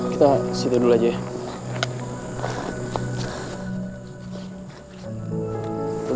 kita siti dulu aja ya